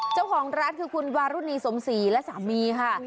เจ้าของร้านคือคุณวารุณีสมศรีและสามีค่ะ